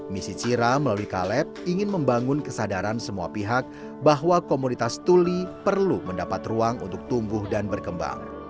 misi cira melalui caleb ingin membangun kesadaran semua pihak bahwa komunitas tuli perlu mendapat ruang untuk tumbuh dan berkembang